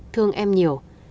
thương em nhiều